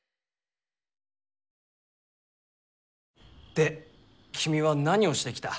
で君は何をしてきた？